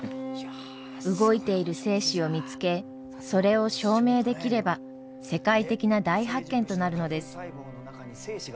動いている精子を見つけそれを証明できれば世界的な大発見となるのです。